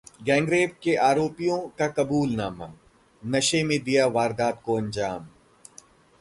gangrape के आरोपियों का कबूलनामा, नशे में दिया वारदात को अंजाम